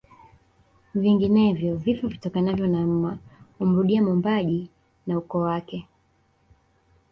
Vinginevyo vifo vitokanavyo na mma humrudia mwombaji na ukoo wake